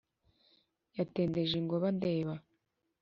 yatendeje ingohe andeba